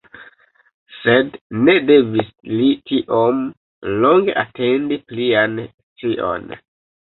Sed, ne devis li tiom longe atendi plian scion.